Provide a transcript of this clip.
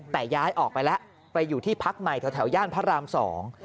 แต่ย้ายออกไปแล้วไปอยู่ที่พักใหม่แถวแถวย่านพระรามสอง